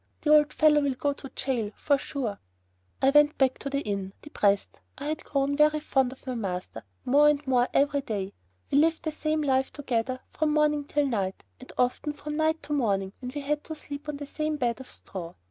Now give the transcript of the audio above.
The old fellow will go to jail, for sure!" I went back to the inn, depressed. I had grown very fond of my master, more and more every day. We lived the same life together from morning till night, and often from night to morning, when we had to sleep on the same bed of straw.